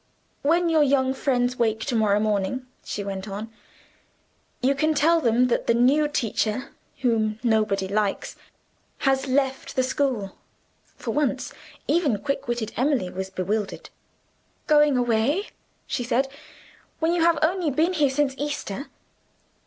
"When your young friends wake to morrow morning," she went on, "you can tell them that the new teacher, whom nobody likes, has left the school." For once, even quick witted Emily was bewildered. "Going away," she said, "when you have only been here since Easter!"